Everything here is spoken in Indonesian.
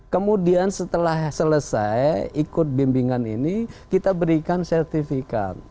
kemudian setelah selesai ikut bimbingan ini kita berikan sertifikat